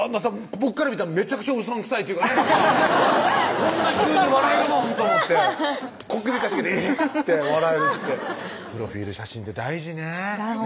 僕から見たらめちゃくちゃうさんくさいそんな急に笑えるもん？と思って小首かしげてエヘッて笑えるってプロフィール写真って大事ね大事ですね